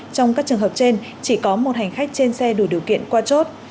trong các trường hợp trên chỉ có một hành khách trên xe đủ điều kiện qua chốt